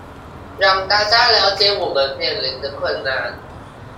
讓大家了解我們面臨的困難